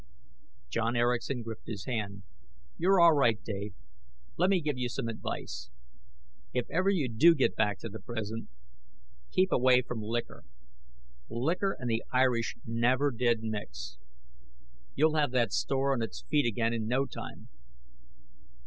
John Erickson gripped his hand. "You're all right, Dave. Let me give you some advice. If ever you do get back to the present ... keep away from liquor. Liquor and the Irish never did mix. You'll have that store on its feet again in no time."